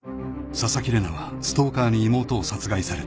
［紗崎玲奈はストーカーに妹を殺害された］